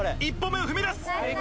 １歩目を踏み出す。